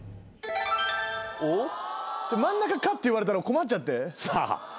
真ん中「か」って言われたら困っちゃって。